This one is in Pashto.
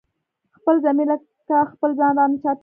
خپل ضمير لکه خپل ځان رانه چاپېر دی